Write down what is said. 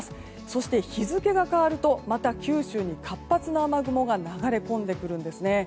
そして、日付が変わるとまた九州に活発な雨雲が流れ込んでくるんですね。